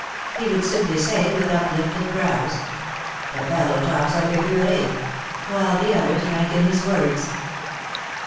He would simply say with uplifted brows : The fellow talks like a cur4/' while the others drank in his words.